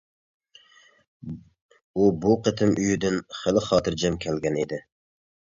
ئۇ بۇ قېتىم ئۆيىدىن خېلى خاتىرجەم كەلگەن ئىدى.